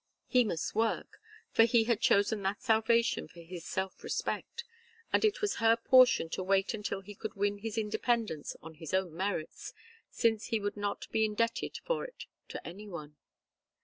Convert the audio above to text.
He must work, for he had chosen that salvation for his self respect, and it was her portion to wait until he could win his independence on his own merits, since he would not be indebted for it to any one.